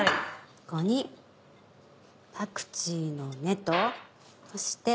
ここにパクチーの根とそして。